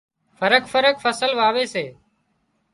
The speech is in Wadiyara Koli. فرق فرق فصل واوي سي